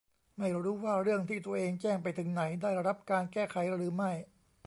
ไม่รู้ว่าเรื่องที่ตัวเองแจ้งไปถึงไหน ได้รับการแก้ไขหรือไม่